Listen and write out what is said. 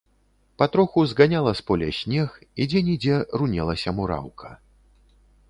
Патроху зганяла з поля снег, і дзе-нідзе рунелася мураўка.